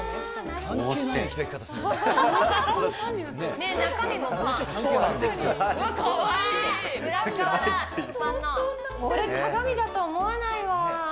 裏側だ、これ鏡だと思わないわ。